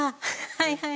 はいはい。